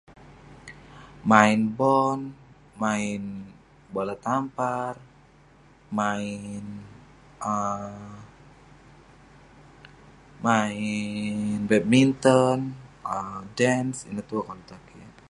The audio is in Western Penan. Main bon, main bola tampar, main[um]main badminton, dance, ineh tuek koluk tan kik.